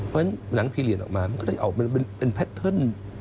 เพราะฉะนั้นหนังพีเรียสออกมามันก็เลยออกเป็นแพทเทิร์น